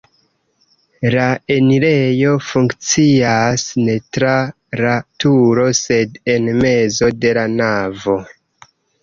La enirejo funkcias ne tra la turo, sed en mezo de la navo.